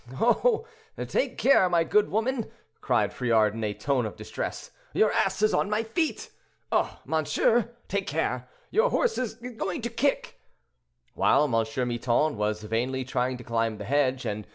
"Oh! take care, my good woman," cried Friard, in a tone of distress; "your ass is on my feet. Oh, monsieur, take care, your horse is going to kick." While M. Miton was vainly trying to climb the hedge, and M.